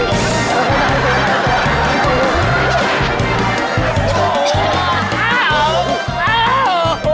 โอ้โหโอ้โหโอ้โหโอ้โห